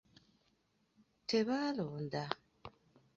Tebaalonda.